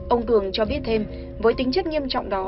ông cường cho biết thêm với tính chất nghiêm trọng đó